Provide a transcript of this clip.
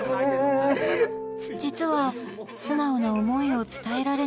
実は素直な思いを伝えられない